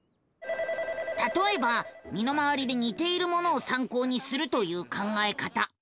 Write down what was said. たとえば身の回りでにているものをさんこうにするという考え方。